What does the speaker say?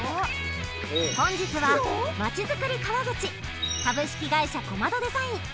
本日はまちづくり川口株式会社コマドデザイン